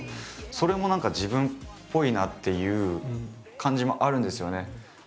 それも何か自分っぽいなっていう感じもあるんですよね。